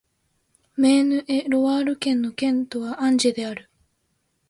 メーヌ＝エ＝ロワール県の県都はアンジェである